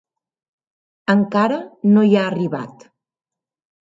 Encara no hi ha arribat.